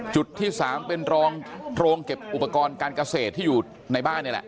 จุดที่๓เป็นรองโรงเก็บอุปกรณ์การเกษตรที่อยู่ในบ้านนี่แหละ